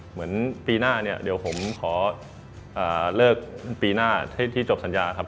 เหมือนปีหน้าเนี่ยเดี๋ยวผมขอเลิกปีหน้าที่จบสัญญาครับ